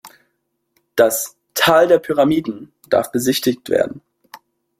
Das „Tal der Pyramiden“ darf besichtigt werden.